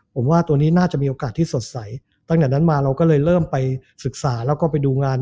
ผมว่าตัวนี้น่าจะมีโอกาสที่สดใสตั้งแต่นั้นมาเราก็เลยเริ่มไปศึกษาแล้วก็ไปดูงาน